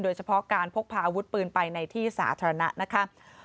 โดยเฉพาะการพกพาอาวุธปืนไปในที่สาธารณะนะคะ